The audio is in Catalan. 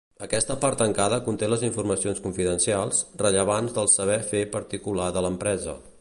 Aquesta part tancada conté les informacions confidencials, rellevants del saber fer particular de l’empresa.